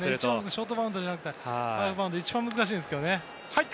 ショートバウンドじゃなくて、ハーフバウンドは一番難しいんですよ。